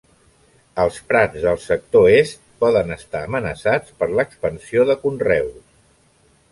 Els prats del sector est poden estar amenaçats per l'expansió de conreus.